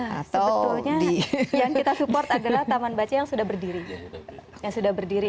sebetulnya yang kita support adalah taman baca yang sudah berdiri